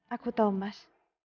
aku tau mas